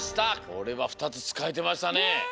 これはふたつつかえてましたね。